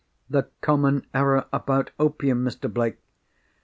"The common error about opium, Mr. Blake!